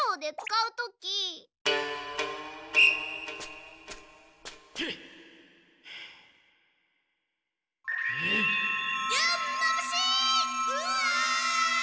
うわ！